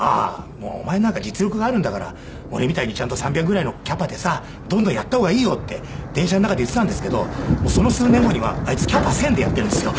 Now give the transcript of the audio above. もうお前なんか実力があるんだから俺みたいにちゃんと３００ぐらいのキャパでさどんどんやった方がいいよ」って電車の中で言っていたんですけどもうその数年後にはあいつキャパ１０００でやってるんですよ。